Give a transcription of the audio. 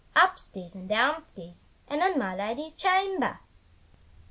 Upstairs and downstairs, And in my lady's chamber!